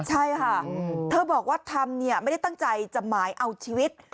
ใช่ค่ะเธอบอกว่าทำไม่ได้ตั้งใจจะหมายเอาชีวิต